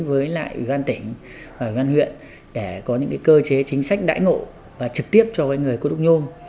và ủy ban xã cũng đã ý kiến với lại ủy ban tỉnh và ủy ban huyện để có những cơ chế chính sách đãi ngộ và trực tiếp cho người cố đúc nhôn